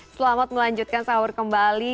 selamat melanjutkan sahur kembali